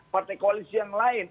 partai koalisi yang lain